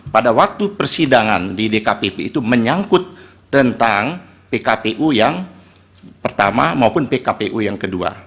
pada waktu persidangan di dkpp itu menyangkut tentang pkpu yang pertama maupun pkpu yang kedua